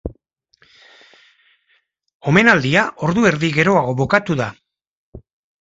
Omenaldia ordu erdi geroago bukatu da.